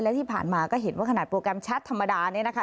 และที่ผ่านมาก็เห็นว่าขนาดโปรแกรมแชทธรรมดาเนี่ยนะคะ